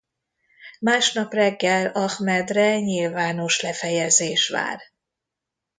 Másnap reggel Ahmedre nyilvános lefejezés vár.